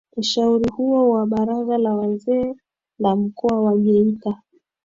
Ushauri huo wa baraza la wazee la mkoa wa geita